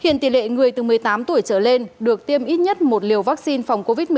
hiện tỷ lệ người từ một mươi tám tuổi trở lên được tiêm ít nhất một liều vaccine phòng covid một mươi chín